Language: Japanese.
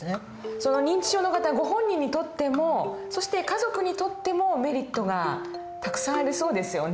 その認知症の方ご本人にとってもそして家族にとってもメリットがたくさんありそうですよね。